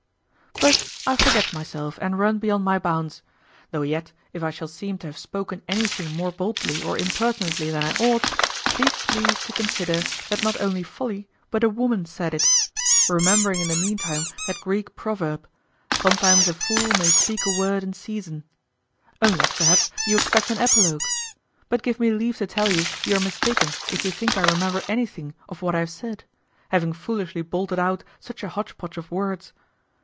But I forget myself and run beyond my bounds. Though yet, if I shall seem to have spoken anything more boldly or impertinently than I ought, be pleased to consider that not only Folly but a woman said it; remembering in the meantime that Greek proverb, "Sometimes a fool may speak a word in season," unless perhaps you expect an epilogue, but give me leave to tell you you are mistaken if you think I remember anything of what I have said, having foolishly bolted out such a hodgepodge of words.